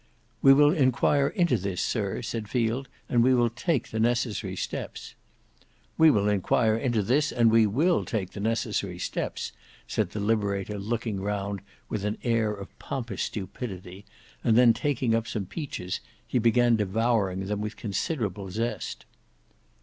"We will enquire into this, Sir," said Field, "and we will take the necessary steps." "We will enquire into this and we will take the necessary steps," said the Liberator, looking round with an air of pompous stupidity, and then taking up some peaches, he began devouring them with considerable zest.